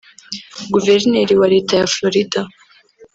Guverineri wa leta ya Florida